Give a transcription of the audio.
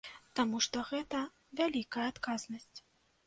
Таму што гэта вялікая адказнасць.